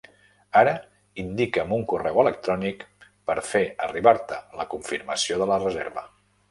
Ara indica'm un correu electrònic per fer arribar-te la confirmació de la reserva.